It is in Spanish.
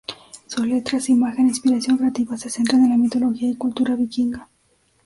Sus letras, imagen e inspiración creativa se centran en la mitología y cultura vikinga.